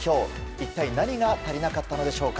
一体何が足りなかったのでしょうか。